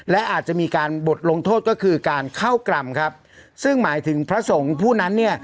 และอาจจะมีการบทลงโทษก็คือการเข้ากรรมครับซึ่งหมายถึงพระสงฆ์ผู้นั้นเนี่ย